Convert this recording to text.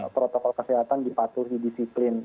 protokol kesehatan dipatuhi disiplin